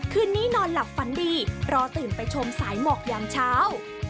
คืนนี้นอนหลับฝันดีรอตื่นไปชมสายหมอกยามเช้า